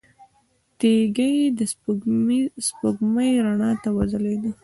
تيږې د سپوږمۍ رڼا ته وځلېدې.